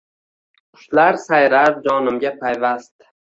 Qushlar sayrar jonimga payvast